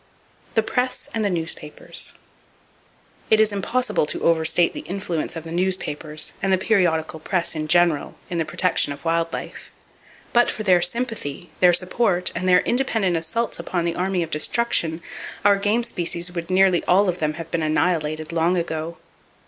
The Press And The Newspapers. —It is impossible to overestimate the influence of the newspapers and the periodical press in general, in the protection of wild life. But for their sympathy, their support and their independent assaults upon the Army of Destruction, our game species [Page 263] would nearly all of them have been annihilated, long ago.